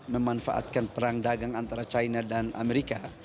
memanfaatkan perang dagang antara china dan amerika